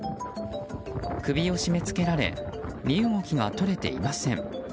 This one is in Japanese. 首を締め付けられ身動きが取れていません。